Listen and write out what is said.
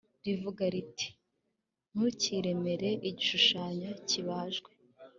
rivuga riti Ntukiremere igishushanyo kibajwe